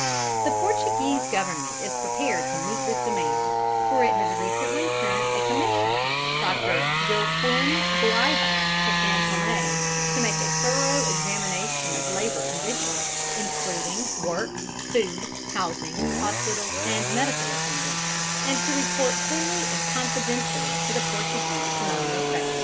The Portuguese Government is prepared to meet this demand, for it has recently sent a Commissioner, Dr. Joaquim Gouveia, to San Thomé to make a thorough examination of labour conditions, including work, food, housing, hospitals and medical attendance, and to report fully and confidentially to the Portuguese Colonial Secretary.